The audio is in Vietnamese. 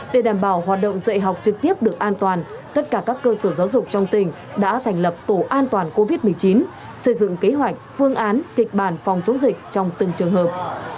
để đảm bảo hoạt động dạy học trực tiếp được an toàn tất cả các cơ sở giáo dục trong tỉnh đã thành lập tổ an toàn covid một mươi chín xây dựng kế hoạch phương án kịch bản phòng chống dịch trong từng trường hợp